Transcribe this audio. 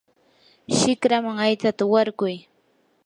shikraman aytsata warkuy.